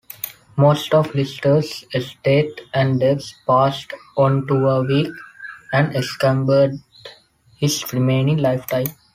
Most of Leicester's estate-and debts-passed on to Warwick and encumbered his remaining lifetime.